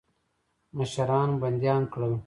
مشران مو بندیان کړل.